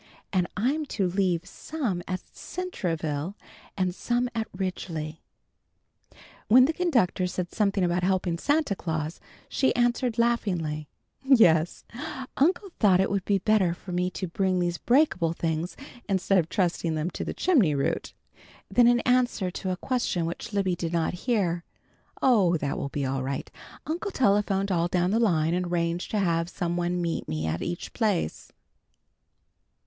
"And I'm to leave some at Centreville and some at Ridgely." When the conductor said something about helping Santa Claus, she answered laughingly, "Yes, Uncle thought it would be better for me to bring these breakable things instead of trusting them to the chimney route." Then in answer to a question which Libby did not hear, "Oh, that will be all right. Uncle telephoned all down the line and arranged to have some one meet me at each place."